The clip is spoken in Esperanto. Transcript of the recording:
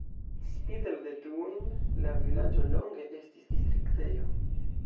Spite la detruojn la vilaĝo longe estis distriktejo.